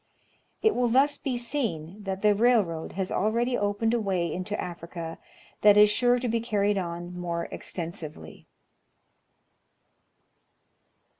It will thus be seen that the railroad has already opened a way into Africa that is sure to be carried on more extensively.